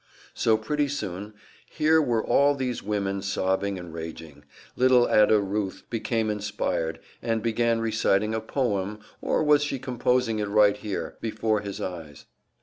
So pretty soon here were all these women sobbing and raging. Little Ada Ruth became inspired, and began reciting a poem or was she composing it right here, before his eyes?